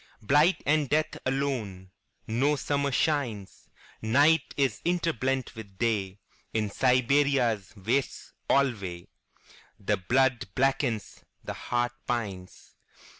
Blight and death alone.No summer shines. Night is interblent with Day.In Siberia's wastes alwayThe blood blackens, the heart pines.